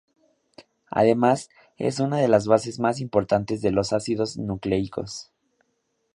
Además es una de las bases más importantes de los ácidos nucleicos.